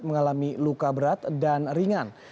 mengalami luka berat dan ringan